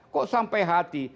kok sampai hati